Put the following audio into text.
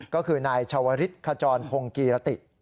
ก็คือนายชวริษฐ์คจรพงศ์กีฬติ